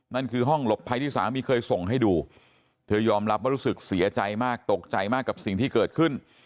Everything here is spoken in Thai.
นั่นคือห้องหลบภัยที่สามีเคยส่งให้ดูเธอยอมรับว่ารู้สึกเสียใจมากตกใจมากกับสิ่งที่เกิดขึ้น